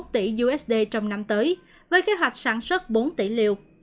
ba mươi một tỷ usd trong năm tới với kế hoạch sản xuất bốn tỷ liều